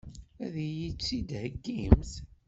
Ad iyi-tt-id-theggimt?